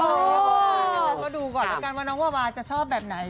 แล้วก็ดูก่อนแล้วกันว่าน้องวาวาจะชอบแบบไหน